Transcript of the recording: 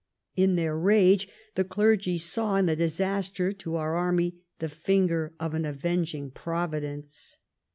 In their rage the clergy saw in the disaster to our army the finger of an avenging Providence.